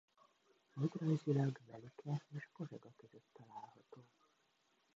Földrajzilag Velike és Pozsega között található.